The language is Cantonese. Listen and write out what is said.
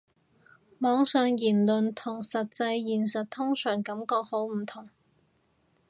網上言論同實際現場通常感覺好唔同